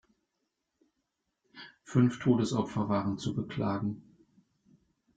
Fünf Todesopfer waren zu beklagen.